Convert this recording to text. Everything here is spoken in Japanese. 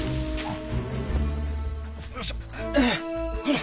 あっ！